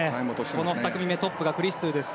この２組目、トップがクリストゥです。